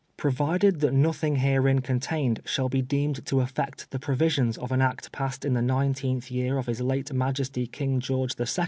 Provided that nothing herein contained shall be deemed to affect the provisions of an Act passed in the nineteenth year of his late Majesty King George IL, c.